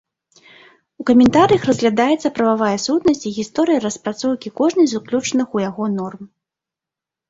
У каментарыях разглядаецца прававая сутнасць і гісторыя распрацоўкі кожнай з уключаных у яго норм.